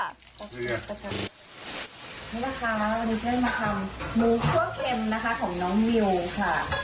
นี่นะคะวันนี้ช่วยมาทำหมูคั่วเค็มนะคะของน้องนิวค่ะ